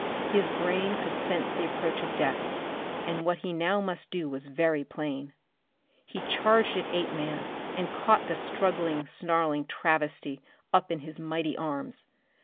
His brain could sense the approach of death, and what he now must do was very plain. He charged at Apeman and caught the struggling, snarling travesty up in his mighty arms.